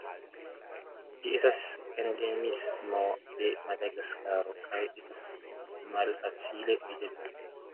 Ĝi estas endemismo de Madagaskaro, kaj estas malfacile videbla.